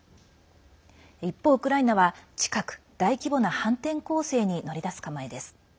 一方、ウクライナは近く大規模な反転攻勢に乗り出す構えです。